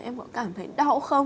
em có cảm thấy đau không